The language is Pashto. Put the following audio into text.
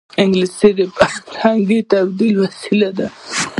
انګلیسي د فرهنګي تبادلې وسیله ده